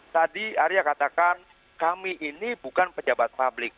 tadi arya katakan kami ini bukan pejabat publik